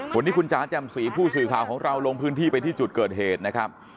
วันนี้คุณจ๋าแจ่มสีผู้สื่อข่าวของเราลงพื้นที่ไปที่จุดเกิดเหตุนะครับ